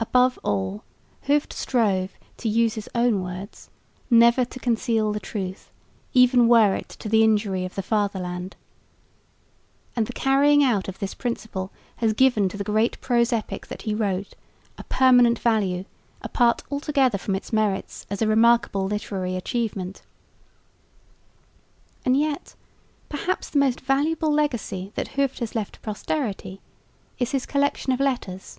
Above all Hooft strove, to use his own words, "never to conceal the truth, even were it to the injury of the fatherland"; and the carrying out of this principle has given to the great prose epic that he wrote a permanent value apart altogether from its merits as a remarkable literary achievement. And yet perhaps the most valuable legacy that Hooft has left to posterity is his collection of letters.